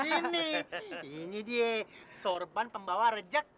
ini ini dia sorban pembawa rejek